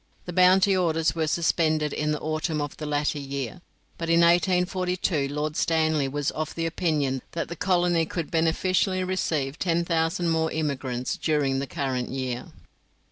The bounty orders were suspended in the autumn of the latter year, but in 1842 Lord Stanley was of opinion that the colony could beneficially receive ten thousand more immigrants during the current year.